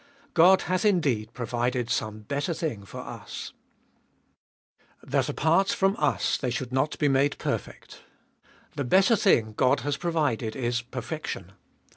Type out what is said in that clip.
God hath indeed provided some better thing for us. Hbe iboliest of ail 475 That apart from us they should not be made perfect. The better thing God has provided is perfection.